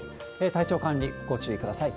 体調管理、ご注意ください。